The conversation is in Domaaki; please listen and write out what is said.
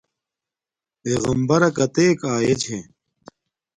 پݵغمبرݳ کتݵَک آئݺ چھݺ؟